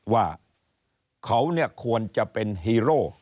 ว่าเขาเนี่ยควรจะเป็นฮีโร่